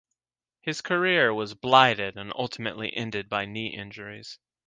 His career was blighted and ultimately ended by knee injuries.